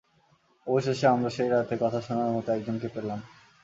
অবশেষে, আমরা সেই রাতে কথা শোনার মত একজনকে পেলাম।